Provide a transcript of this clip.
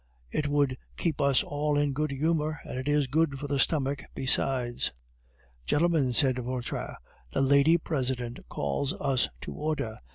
It would keep us all in a good humor, and it is good for the stomach besides." "Gentlemen," said Vautrin, "the Lady President calls us to order.